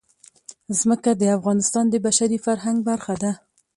ځمکه د افغانستان د بشري فرهنګ برخه ده.